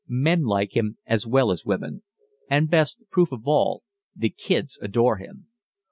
Men like him as well as women, and, best proof of all, the "kids" adore him.